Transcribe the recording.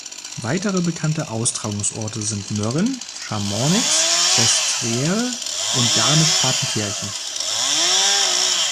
Weitere bekannte Austragungsorte sind Mürren, Chamonix, Sestriere und Garmisch-Partenkirchen.